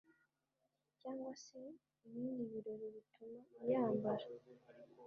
cyangwa se ibindi birori bituma uyambara